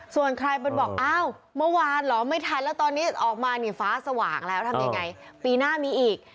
ส่วนใครบนบอกอ้าวเมื่อวานเหรอไม่ทันแล้วตอนนี้ออกมานี่ฟ้าสว่างแล้วทำยังไงปีหน้ามีอีก